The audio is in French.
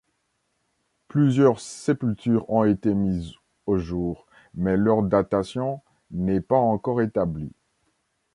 Plusieurs sépultures ont été mises au jour, mais leur datation n'est pas encore établie.